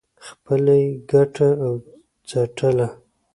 خپله یې ګټله او څټله.